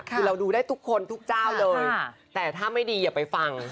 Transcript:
คือเราดูได้ทุกคนทุกเจ้าเลยแต่ถ้าไม่ดีอย่าไปฟัง